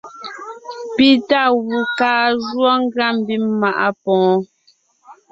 Pi tá gù kaa jǔɔ ngʉa mbím maʼa pwoon.